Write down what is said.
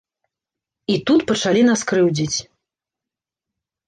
І тут пачалі нас крыўдзіць.